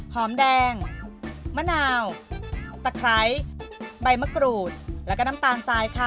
หอมแดงมะนาวตะไคร้ใบมะกรูดแล้วก็น้ำตาลทรายค่ะ